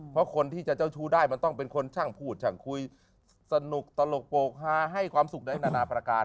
เพราะคนที่จะเจ้าชู้ได้มันต้องเป็นคนช่างพูดช่างคุยสนุกตลกโปรกฮาให้ความสุขในนานาประการ